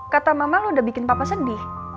kata mama lu udah bikin papa sedih